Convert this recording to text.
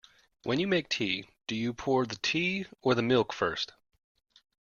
When you make tea, do you pour the tea or the milk first?